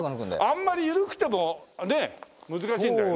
あんまり緩くてもね難しいんだよね。